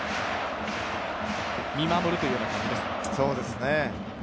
見守るという感じですか。